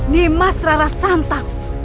nimas rara santang